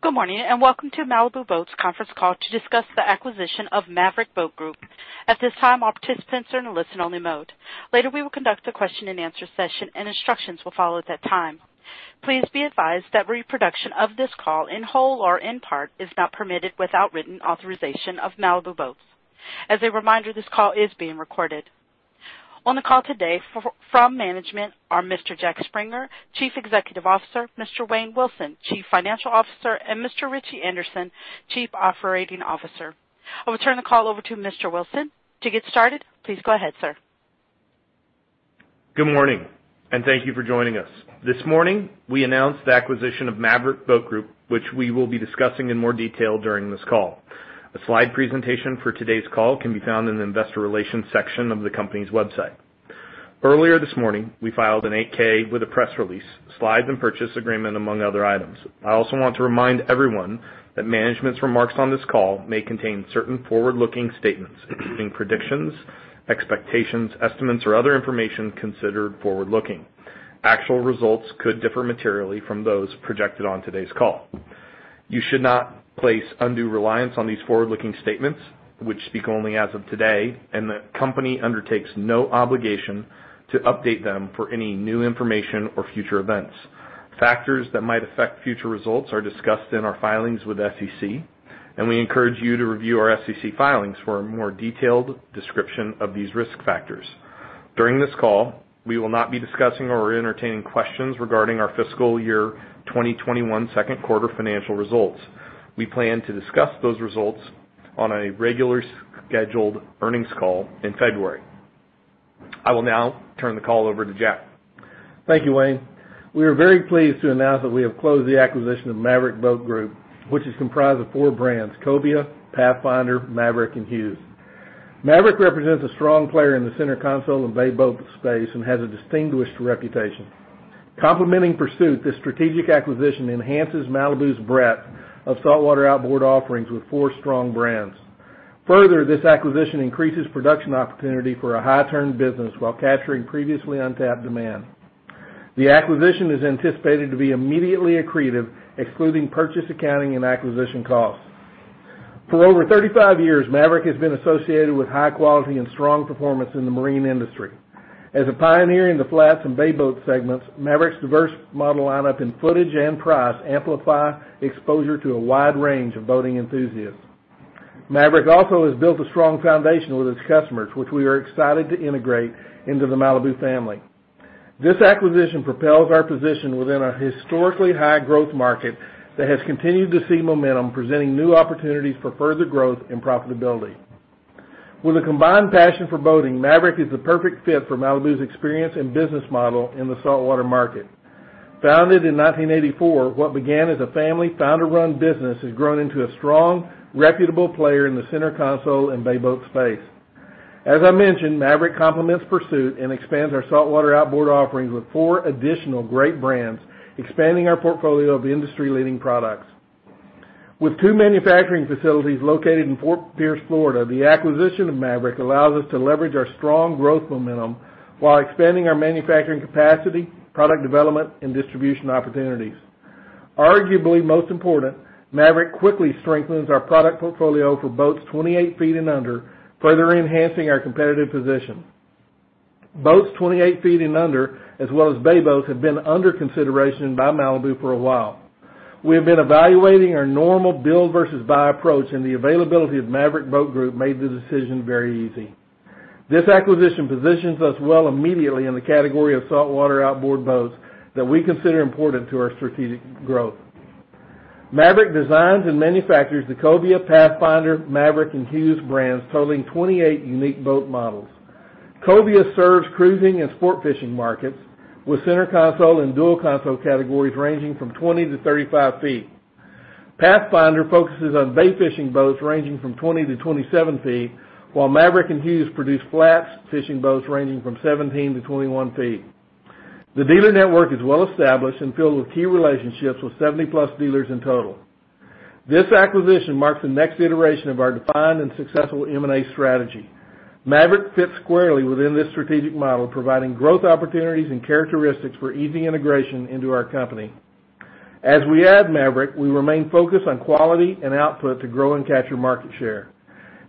Good morning and welcome to Malibu Boats' Conference Call to discuss the acquisition of Maverick Boat Group. At this time, all participants are in a listen-only mode. Later, we will conduct a question-and-answer session, and instructions will follow at that time. Please be advised that reproduction of this call, in whole or in part, is not permitted without written authorization of Malibu Boats. As a reminder, this call is being recorded. On the call today from management are Mr. Jack Springer, Chief Executive Officer, Mr. Wayne Wilson, Chief Financial Officer, and Mr. Ritchie Anderson, Chief Operating Officer. I will turn the call over to Mr. Wilson. To get started, please go ahead, sir. Good morning, and thank you for joining us. This morning, we announced the acquisition of Maverick Boat Group, which we will be discussing in more detail during this call. A slide presentation for today's call can be found in the investor relations section of the company's website. Earlier this morning, we filed an 8-K with a press release, slides, and purchase agreement, among other items. I also want to remind everyone that management's remarks on this call may contain certain forward-looking statements, including predictions, expectations, estimates, or other information considered forward-looking. Actual results could differ materially from those projected on today's call. You should not place undue reliance on these forward-looking statements, which speak only as of today, and the company undertakes no obligation to update them for any new information or future events. Factors that might affect future results are discussed in our filings with the SEC, and we encourage you to review our SEC filings for a more detailed description of these risk factors. During this call, we will not be discussing or entertaining questions regarding our fiscal year 2021 Q2 financial results. We plan to discuss those results on a regularly scheduled earnings call in February. I will now turn the call over to Jack. Thank you, Wayne. We are very pleased to announce that we have closed the acquisition of Maverick Boat Group, which is comprised of four brands: Cobia, Pathfinder, Maverick, and Hewes. Maverick represents a strong player in the center console and bay boat space and has a distinguished reputation. Complementing Pursuit, this strategic acquisition enhances Malibu's breadth of saltwater outboard offerings with four strong brands. Further, this acquisition increases production opportunity for a high-turn business while capturing previously untapped demand. The acquisition is anticipated to be immediately accretive, excluding purchase accounting and acquisition costs. For over 35 years, Maverick has been associated with high quality and strong performance in the marine industry. As a pioneer in the flats and bay boat segments, Maverick's diverse model lineup in footage and price amplifies exposure to a wide range of boating enthusiasts. Maverick also has built a strong foundation with its customers, which we are excited to integrate into the Malibu family. This acquisition propels our position within a historically high-growth market that has continued to see momentum, presenting new opportunities for further growth and profitability. With a combined passion for boating, Maverick is the perfect fit for Malibu's experience and business model in the saltwater market. Founded in 1984, what began as a family founder-run business has grown into a strong, reputable player in the center console and bay boat space. As I mentioned, Maverick complements Pursuit and expands our saltwater outboard offerings with four additional great brands, expanding our portfolio of industry-leading products. With two manufacturing facilities located in Fort Pierce, Florida, the acquisition of Maverick allows us to leverage our strong growth momentum while expanding our manufacturing capacity, product development, and distribution opportunities. Arguably most important, Maverick quickly strengthens our product portfolio for boats 28 ft and under, further enhancing our competitive position. Boats 28 ft and under, as well as bay boats, have been under consideration by Malibu for a while. We have been evaluating our normal build versus buy approach, and the availability of Maverick Boat Group made the decision very easy. This acquisition positions us well immediately in the category of saltwater outboard boats that we consider important to our strategic growth. Maverick designs and manufactures the Cobia, Pathfinder, Maverick, and Hewes brands, totaling 28 unique boat models. Cobia serves cruising and sport fishing markets with center console and dual console categories ranging from 20-35 ft. Pathfinder focuses on bay fishing boats ranging from 20-27 ft, while Maverick and Hewes produce flats fishing boats ranging from 17-21 ft. The dealer network is well established and filled with key relationships with 70-plus dealers in total. This acquisition marks the next iteration of our defined and successful M&A strategy. Maverick fits squarely within this strategic model, providing growth opportunities and characteristics for easy integration into our company. As we add Maverick, we remain focused on quality and output to grow and capture market share.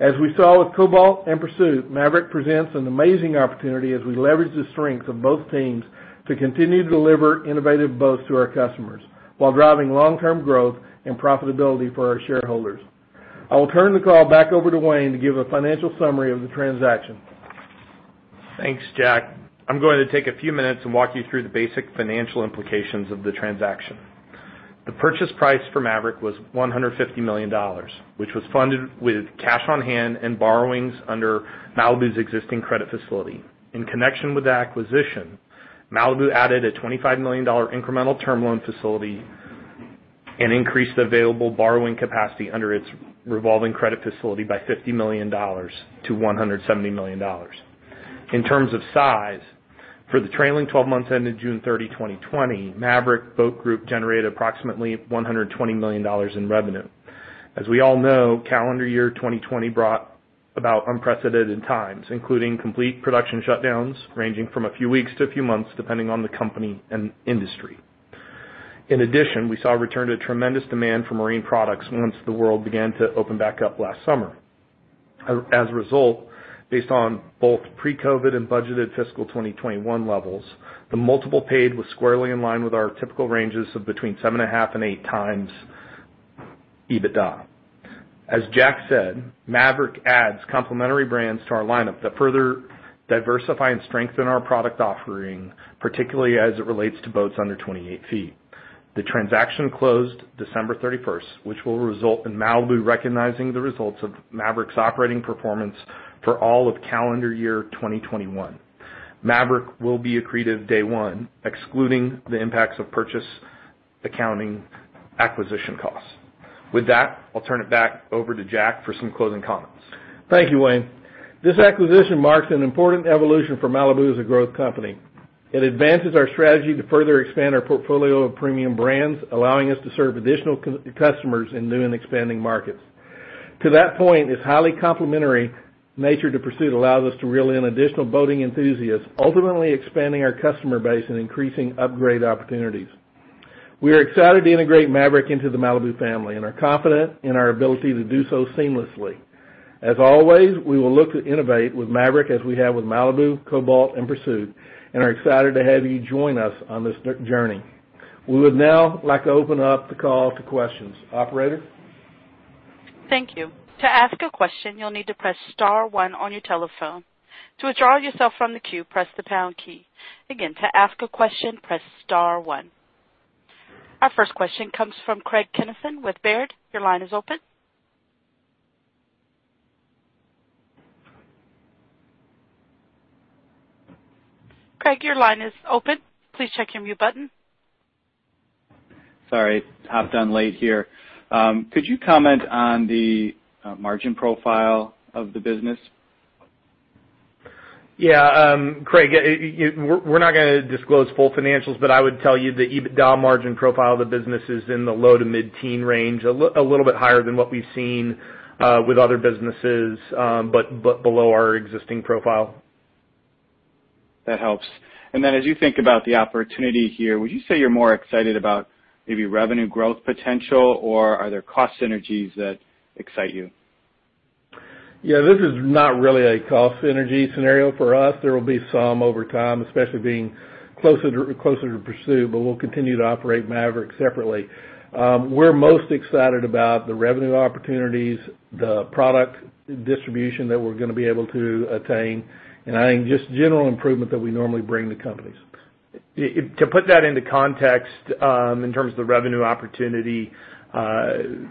As we saw with Cobalt and Pursuit, Maverick presents an amazing opportunity as we leverage the strength of both teams to continue to deliver innovative boats to our customers while driving long-term growth and profitability for our shareholders. I will turn the call back over to Wayne to give a financial summary of the transaction. Thanks, Jack. I'm going to take a few minutes and walk you through the basic financial implications of the transaction. The purchase price for Maverick was $150 million, which was funded with cash on hand and borrowings under Malibu's existing credit facility. In connection with the acquisition, Malibu added a $25 million incremental term loan facility and increased the available borrowing capacity under its revolving credit facility by $50 million to $170 million. In terms of size, for the trailing 12 months ended June 30, 2020, Maverick Boat Group generated approximately $120 million in revenue. As we all know, calendar year 2020 brought about unprecedented times, including complete production shutdowns ranging from a few weeks to a few months, depending on the company and industry. In addition, we saw a return to tremendous demand for marine products once the world began to open back up last summer. As a result, based on both pre-COVID and budgeted fiscal 2021 levels, the multiple paid was squarely in line with our typical ranges of between seven and a half and eight times EBITDA. As Jack said, Maverick adds complementary brands to our lineup that further diversify and strengthen our product offering, particularly as it relates to boats under 28 ft. The transaction closed December 31st, which will result in Malibu recognizing the results of Maverick's operating performance for all of calendar year 2021. Maverick will be accretive day one, excluding the impacts of purchase accounting acquisition costs. With that, I'll turn it back over to Jack for some closing comments. Thank you, Wayne. This acquisition marks an important evolution for Malibu as a growth company. It advances our strategy to further expand our portfolio of premium brands, allowing us to serve additional customers in new and expanding markets. To that point, its highly complementary nature to Pursuit allows us to reel in additional boating enthusiasts, ultimately expanding our customer base and increasing upgrade opportunities. We are excited to integrate Maverick into the Malibu family and are confident in our ability to do so seamlessly. As always, we will look to innovate with Maverick as we have with Malibu, Cobalt, and Pursuit, and are excited to have you join us on this journey. We would now like to open up the call to questions. Operator? Thank you. To ask a question, you'll need to press star one on your telephone. To withdraw yourself from the queue, press the pound key. Again, to ask a question, press star one. Our first question comes from Craig Kennison with Baird. Your line is open. Craig, your line is open. Please check your mute button. Sorry, hopped on late here. Could you comment on the margin profile of the business? Yeah, Craig, we're not going to disclose full financials, but I would tell you the EBITDA margin profile of the business is in the low to mid-teen range, a little bit higher than what we've seen with other businesses, but below our existing profile. That helps. And then, as you think about the opportunity here, would you say you're more excited about maybe revenue growth potential, or are there cost synergies that excite you? Yeah, this is not really a cost synergy scenario for us. There will be some over time, especially being closer to Pursuit, but we'll continue to operate Maverick separately. We're most excited about the revenue opportunities, the product distribution that we're going to be able to attain, and I think just general improvement that we normally bring to companies. To put that into context in terms of the revenue opportunity,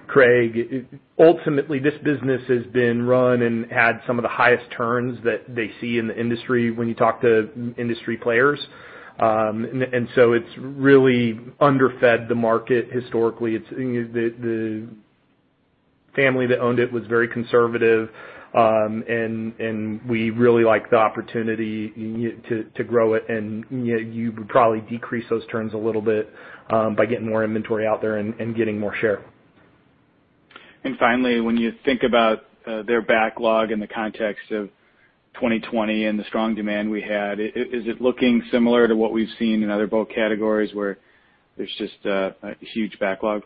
Craig, ultimately, this business has been run and had some of the highest turns that they see in the industry when you talk to industry players, and so it's really underfed the market historically. The family that owned it was very conservative, and we really liked the opportunity to grow it, and you would probably decrease those turns a little bit by getting more inventory out there and getting more share. Finally, when you think about their backlog in the context of 2020 and the strong demand we had, is it looking similar to what we've seen in other boat categories where there's just a huge backlog?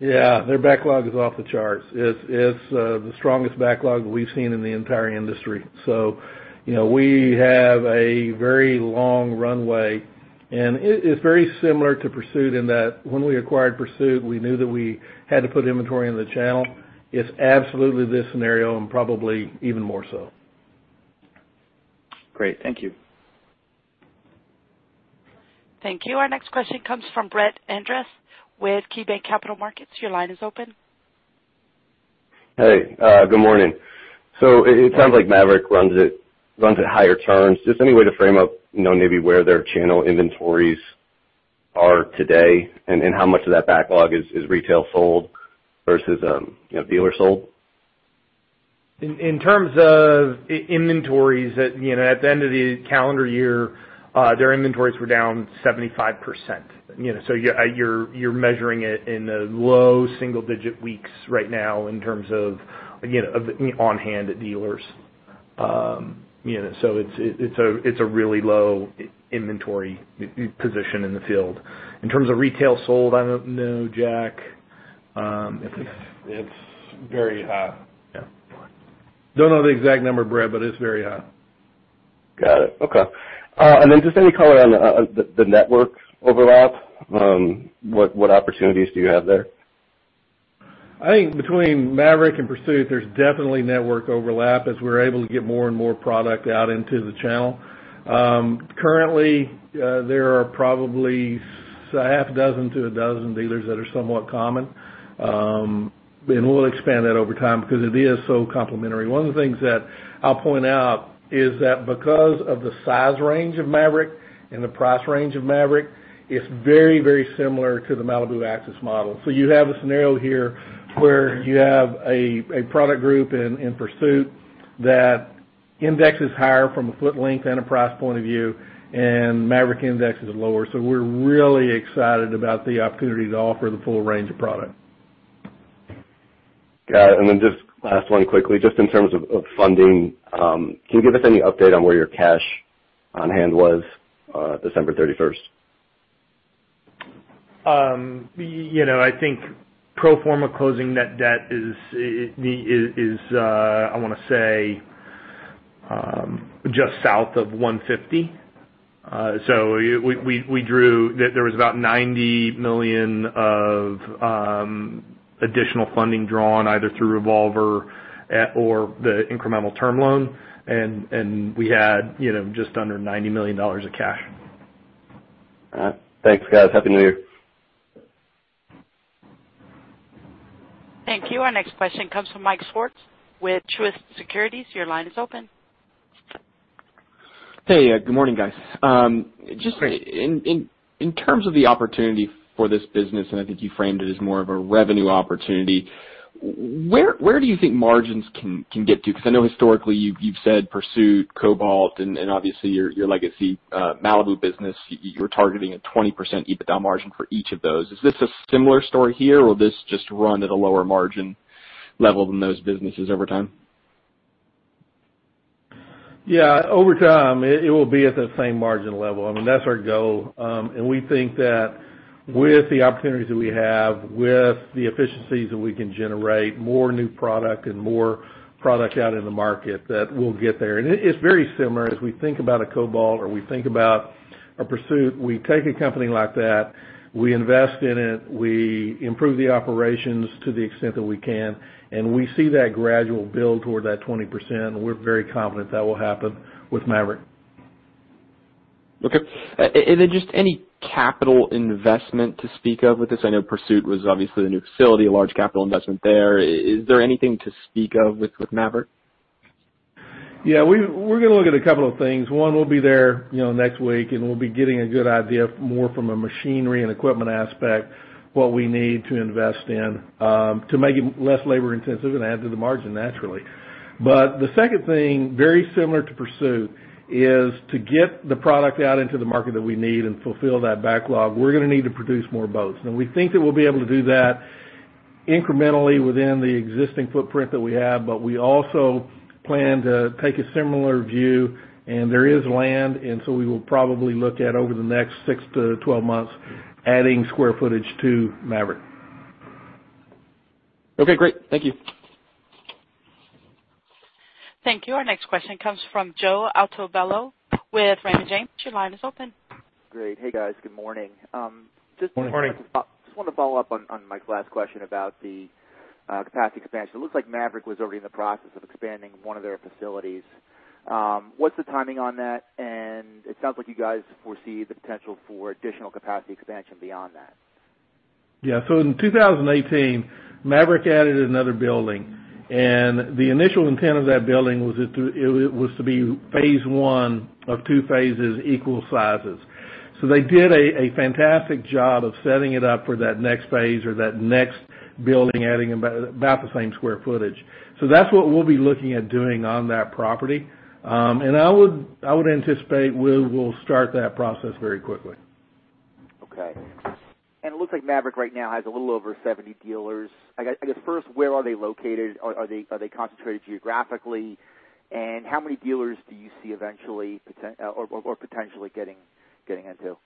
Yeah, their backlog is off the charts. It's the strongest backlog we've seen in the entire industry. So we have a very long runway, and it's very similar to Pursuit in that when we acquired Pursuit, we knew that we had to put inventory in the channel. It's absolutely this scenario and probably even more so. Great. Thank you. Thank you. Our next question comes from Brett Andress with KeyBanc Capital Markets. Your line is open. Hey, good morning. So it sounds like Maverick runs at higher turns. Just any way to frame up maybe where their channel inventories are today and how much of that backlog is retail sold versus dealer sold? In terms of inventories, at the end of the calendar year, their inventories were down 75%. So you're measuring it in the low single-digit weeks right now in terms of on-hand at dealers. So it's a really low inventory position in the field. In terms of retail sold, I don't know, Jack. It's very high. Don't know the exact number, Brett, but it's very high. Got it. Okay. And then just any color on the network overlap, what opportunities do you have there? I think between Maverick and Pursuit, there's definitely network overlap as we're able to get more and more product out into the channel. Currently, there are probably a half dozen to a dozen dealers that are somewhat common, and we'll expand that over time because it is so complementary. One of the things that I'll point out is that because of the size range of Maverick and the price range of Maverick, it's very, very similar to the Malibu Axis model. So you have a scenario here where you have a product group in Pursuit that indexes higher from a foot length and a price point of view, and Maverick indexes lower. So we're really excited about the opportunity to offer the full range of product. Got it. And then just last one quickly, just in terms of funding, can you give us any update on where your cash on hand was December 31st? I think pro forma closing net debt is, I want to say, just south of $150 million. So there was about $90 million of additional funding drawn either through Revolver or the incremental term loan, and we had just under $90 million of cash. Thanks, guys. Happy New Year. Thank you. Our next question comes from Mike Swartz with Truist Securities. Your line is open. Hey, good morning, guys. Just in terms of the opportunity for this business, and I think you framed it as more of a revenue opportunity, where do you think margins can get to? Because I know historically you've said Pursuit, Cobalt, and obviously your legacy Malibu business, you were targeting a 20% EBITDA margin for each of those. Is this a similar story here, or will this just run at a lower margin level than those businesses over time? Yeah, over time it will be at the same margin level. I mean, that's our goal. And we think that with the opportunities that we have, with the efficiencies that we can generate, more new product and more product out in the market that we'll get there. And it's very similar as we think about a Cobalt or we think about a Pursuit. We take a company like that, we invest in it, we improve the operations to the extent that we can, and we see that gradual build toward that 20%. And we're very confident that will happen with Maverick. Okay. And then just any capital investment to speak of with this? I know Pursuit was obviously a new facility, a large capital investment there. Is there anything to speak of with Maverick? Yeah, we're going to look at a couple of things. One will be there next week, and we'll be getting a good idea more from a machinery and equipment aspect what we need to invest in to make it less labor-intensive and add to the margin naturally. But the second thing, very similar to Pursuit, is to get the product out into the market that we need and fulfill that backlog. We're going to need to produce more boats. Now, we think that we'll be able to do that incrementally within the existing footprint that we have, but we also plan to take a similar view, and there is land, and so we will probably look at over the next six to 12 months adding square footage to Maverick. Okay, great. Thank you. Thank you. Our next question comes from Joe Altobello with Raymond James. Your line is open. Great. Hey, guys. Good morning. Good morning. Just wanted to follow up on Mike's last question about the capacity expansion. It looks like Maverick was already in the process of expanding one of their facilities. What's the timing on that? And it sounds like you guys foresee the potential for additional capacity expansion beyond that. Yeah. So in 2018, Maverick added another building. The initial intent of that building was to be phase one of two phases equal sizes. So they did a fantastic job of setting it up for that next phase or that next building adding about the same square footage. So that's what we'll be looking at doing on that property. And I would anticipate we will start that process very quickly. Okay. And it looks like Maverick right now has a little over 70 dealers. I guess first, where are they located? Are they concentrated geographically? And how many dealers do you see eventually or potentially getting into?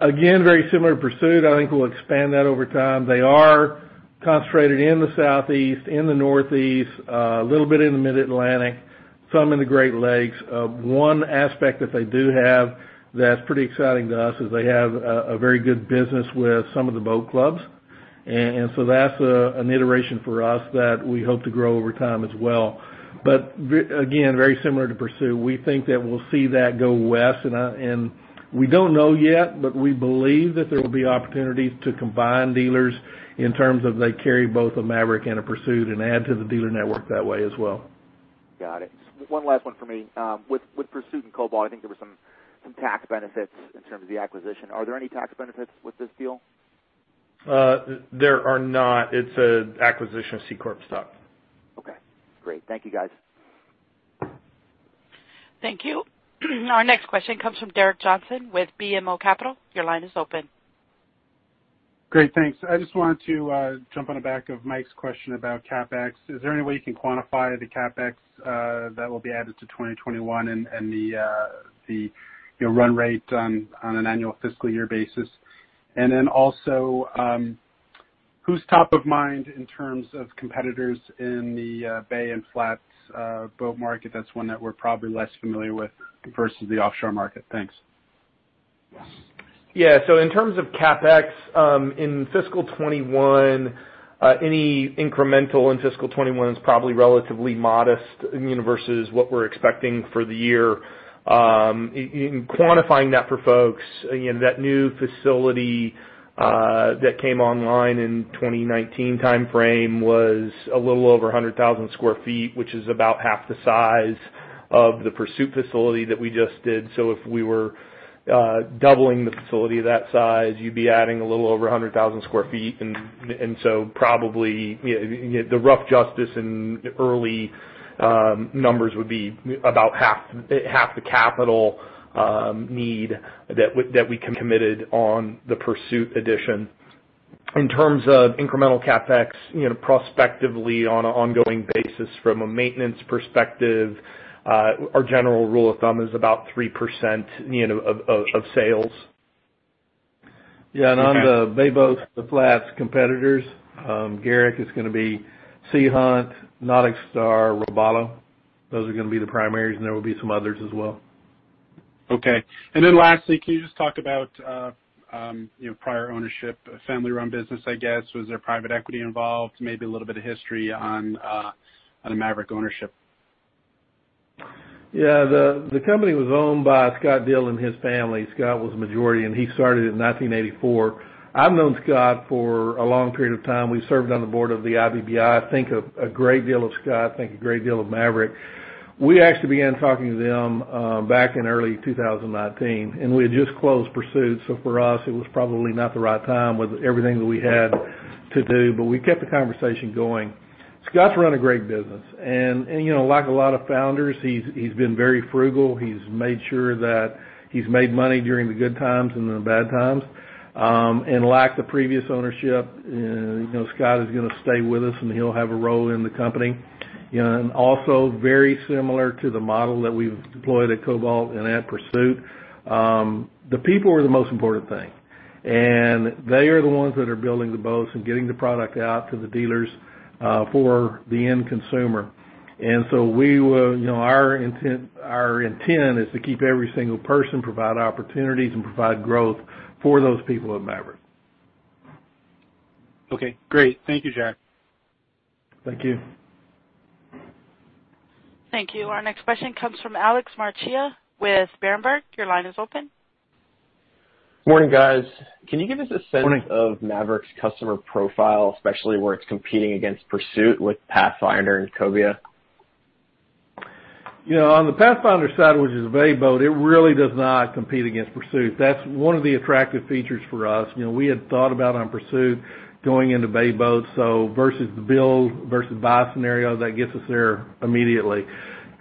Again, very similar to Pursuit. I think we'll expand that over time. They are concentrated in the Southeast, in the Northeast, a little bit in the Mid-Atlantic, some in the Great Lakes. One aspect that they do have that's pretty exciting to us is they have a very good business with some of the boat clubs, and so that's an iteration for us that we hope to grow over time as well, but again, very similar to Pursuit. We think that we'll see that go west, and we don't know yet, but we believe that there will be opportunities to combine dealers in terms of they carry both a Maverick and a Pursuit and add to the dealer network that way as well. Got it. One last one for me. With Pursuit and Cobalt, I think there were some tax benefits in terms of the acquisition. Are there any tax benefits with this deal? There are not. It's an acquisition of C-Corp stock. Okay. Great. Thank you, guys. Thank you. Our next question comes from Gerrick Johnson with BMO Capital Markets. Your line is open. Great. Thanks. I just wanted to jump on the back of Mike's question about CapEx. Is there any way you can quantify the CapEx that will be added to 2021 and the run rate on an annual fiscal year basis? And then also, who's top of mind in terms of competitors in the bay and flats boat market? That's one that we're probably less familiar with versus the offshore market. Thanks. Yeah. So in terms of CapEx, in fiscal 2021, any incremental in fiscal 2021 is probably relatively modest versus what we're expecting for the year. In quantifying that for folks, that new facility that came online in 2019 timeframe was a little over 100,000 sq ft, which is about half the size of the Pursuit facility that we just did. So if we were doubling the facility of that size, you'd be adding a little over 100,000 sq ft. And so probably the rough justice in early numbers would be about half the capital need that we committed on the Pursuit addition. In terms of incremental CapEx, prospectively on an ongoing basis from a maintenance perspective, our general rule of thumb is about 3% of sales. Yeah, and on the bay boats, the flats competitors, Gerrick is going to be Sea Hunt, NauticStar, Robalo. Those are going to be the primaries, and there will be some others as well. Okay. And then lastly, can you just talk about prior ownership, a family-run business, I guess? Was there private equity involved? Maybe a little bit of history on a Maverick ownership. Yeah. The company was owned by Scott Deal and his family. Scott was a majority, and he started it in 1984. I've known Scott for a long period of time. We served on the board of the IBBI. I think a great deal of Scott. I think a great deal of Maverick. We actually began talking to them back in early 2019, and we had just closed Pursuit. So for us, it was probably not the right time with everything that we had to do, but we kept the conversation going. Scott's run a great business. And like a lot of founders, he's been very frugal. He's made sure that he's made money during the good times and the bad times. And like the previous ownership, Scott is going to stay with us, and he'll have a role in the company. And also, very similar to the model that we've deployed at Cobalt and at Pursuit, the people are the most important thing. And they are the ones that are building the boats and getting the product out to the dealers for the end consumer. And so our intent is to keep every single person, provide opportunities, and provide growth for those people at Maverick. Okay. Great. Thank you, Jack. Thank you. Thank you. Our next question comes from Alex Maroccia with Berenberg. Your line is open. Morning, guys. Can you give us a sense of Maverick's customer profile, especially where it's competing against Pursuit with Pathfinder and Cobia? On the Pathfinder side, which is a bay boat, it really does not compete against Pursuit. That's one of the attractive features for us. We had thought about on Pursuit going into bay boat versus the build versus buy scenario that gets us there immediately.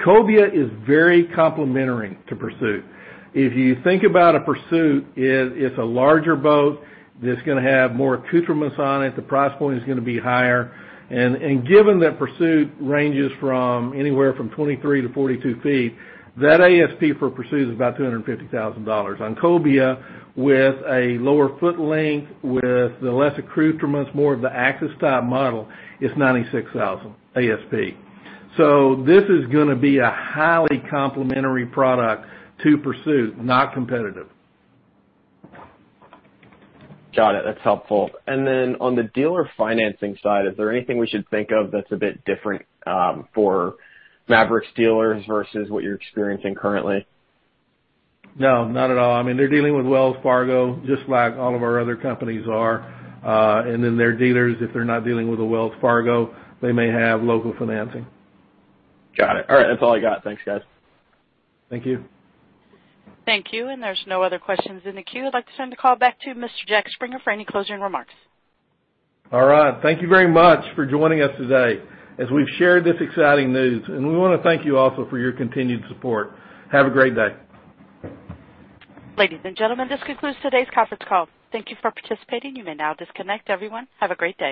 Cobia is very complementary to Pursuit. If you think about a Pursuit, it's a larger boat that's going to have more accoutrements on it. The price point is going to be higher. And given that Pursuit ranges from anywhere from 23 to 42 ft, that ASP for Pursuit is about $250,000. On Cobia, with a lower foot length, with the less accoutrements, more of the Axis type model, it's $96,000 ASP. So this is going to be a highly complementary product to Pursuit, not competitive. Got it. That's helpful. And then on the dealer financing side, is there anything we should think of that's a bit different for Maverick's dealers versus what you're experiencing currently? No, not at all. I mean, they're dealing with Wells Fargo, just like all of our other companies are, and then their dealers, if they're not dealing with a Wells Fargo, they may have local financing. Got it. All right. That's all I got. Thanks, guys. Thank you. Thank you. And there's no other questions in the queue. I'd like to send a call back to Mr. Jack Springer for any closing remarks. All right. Thank you very much for joining us today as we've shared this exciting news. And we want to thank you also for your continued support. Have a great day. Ladies and gentlemen, this concludes today's conference call. Thank you for participating. You may now disconnect, everyone. Have a great day.